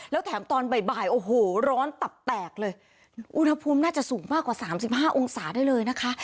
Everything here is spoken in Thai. แล้วแถมตอนบ่ายโอ้โหร้อนตับแตกเลยอุณหภูมิน่าจะสูงมากกว่าสามสิบห้าองศาได้เลยนะคะ